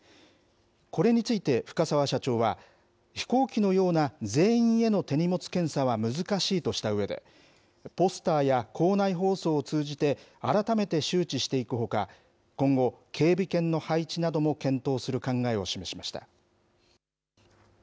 これについて、深澤社長は、飛行機のような全員への手荷物検査は難しいとしたうえで、ポスターや構内放送を通じて、改めて周知していくほか、今後、警備犬の配置なども検討する考えを示しました。